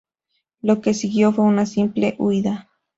Lo que siguió fue una simple huida.